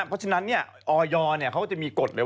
เพราะฉะนั้นเนี่ยออยนี้เขาจะมีกฎเลย